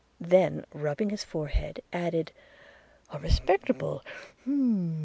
.' Then rubbing his forehead, added, 'a respectable – hum!